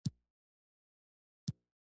زاړه غرونه یې په شمال کې پراته دي.